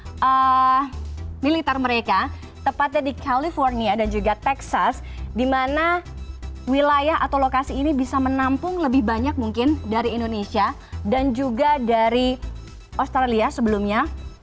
nah di amerika serikat ini ada dua pangkalan militer mereka tepatnya di california dan juga texas di mana wilayah atau lokasi ini bisa menampung lebih banyak mungkin dari indonesia dan juga dari australia sebelumnya